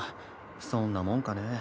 そんなもんかね。